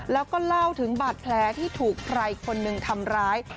แล้วก็เล่าถึงบาดแผลที่ถูกใครคนหนึ่งทำร้าย